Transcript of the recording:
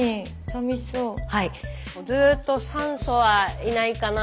ずっと「酸素はいないかな。